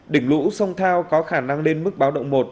đỉnh lũ sông thao có khả năng lên mức báo động một